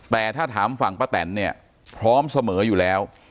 แต่ถ้าถามฝั่งป้าแตนเนี่ยพร้อมเสมออยู่แล้ว